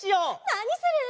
なにする？